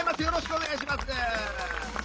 よろしくお願いします。